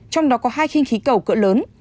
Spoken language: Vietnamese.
trong đó có hai khinh khí cầu cỡ lớn